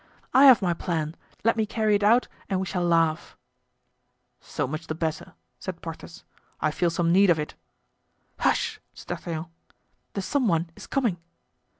I have my plan; let me carry it out and we shall laugh." "So much the better," said Porthos; "I feel some need of it." "Hush!" said D'Artagnan; "the some one is coming."